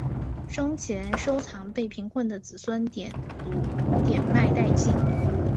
生前收藏被贫困的子孙典卖殆尽。